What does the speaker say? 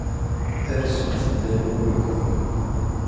Rsemt-d a lmuluka.